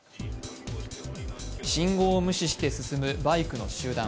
信号を無視して進むバイクの集団。